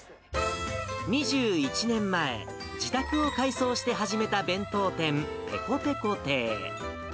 ２１年前、自宅を改装して始めた弁当店、ペコペコ亭。